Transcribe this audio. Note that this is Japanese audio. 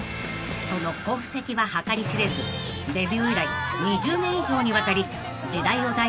［その功績は計り知れずデビュー以来２０年以上にわたり時代を代表する名作を連発］